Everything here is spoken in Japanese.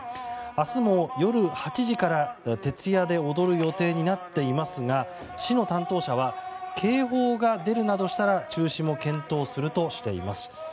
明日も、夜８時から徹夜で踊る予定になっていますが市の担当者は警報が出るなどしたら中止も検討するとしています。